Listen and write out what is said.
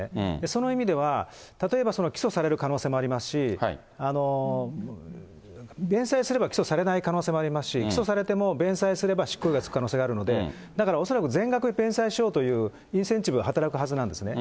その意味では、例えば起訴される可能性もありますし、弁済すれば起訴されない可能性もありますし、起訴されても弁済すれば執行猶予が付く可能性があるので、だからおそらく全額弁済しようというインセンティブが働くはずなんですね。